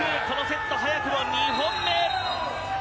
このセット、早くも２本目。